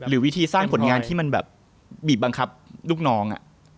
วิธีสร้างผลงานที่มันแบบบีบบังคับลูกน้อง